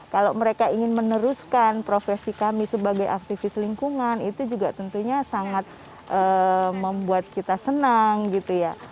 kalau mereka ingin meneruskan profesi kami sebagai aktivis lingkungan itu juga tentunya sangat membuat kita senang gitu ya